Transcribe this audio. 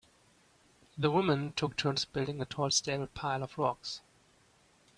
The women took turns building a tall stable pile of rocks.